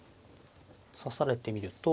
指されてみると。